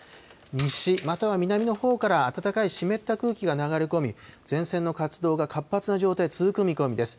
西、または南のほうから暖かい湿った空気が流れ込み、前線の活動が活発な状態、続く見込みです。